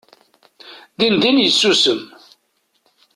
Dindin yessusem.